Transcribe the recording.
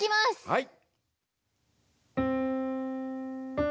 はい。